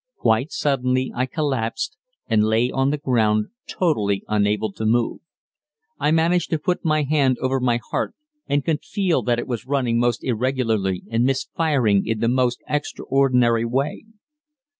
Quite suddenly I collapsed, and lay on the ground totally unable to move. I managed to put my hand over my heart and could feel that it was running most irregularly and misfiring in the most extraordinary way.